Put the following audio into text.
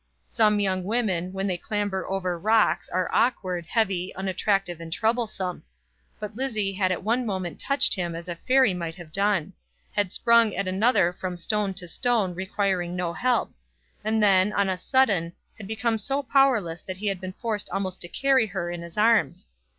Some young women, when they clamber over rocks, are awkward, heavy, unattractive, and troublesome. But Lizzie had at one moment touched him as a fairy might have done; had sprung at another from stone to stone, requiring no help; and then, on a sudden, had become so powerless that he had been forced almost to carry her in his arms.